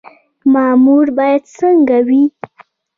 مامور باید څنګه وي؟